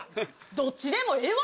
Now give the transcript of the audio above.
どっちでもええわ